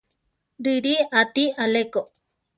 Riʼrí ati aléko.